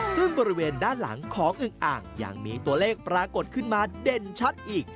ซึ่งบริเวณด้านหลังของอึงอ่างยังมีตัวเลขปรากฏขึ้นมาเด่นชัดอีก